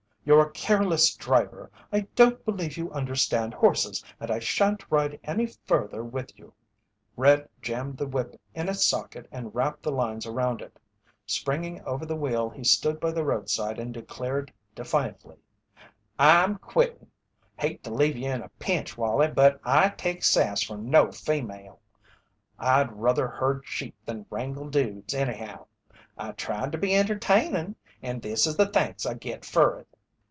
"You! You're a careless driver. I don't believe you understand horses, and I shan't ride any further with you." "Red" jammed the whip in its socket and wrapped the lines around it. Springing over the wheel he stood by the roadside and declared defiantly: "I'm quittin'. Hate to leave you in a pinch, Wallie, but I take sass from no female. I'd ruther herd sheep than wrangle dudes, anyhow. I tried to be entertainin', and this is the thanks I git fer it."